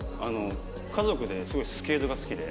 家族ですごいスケートが好きで。